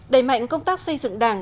đẩy mạnh công tác xây dựng đảng